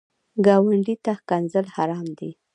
ګاونډي ته ښکنځل حرام دي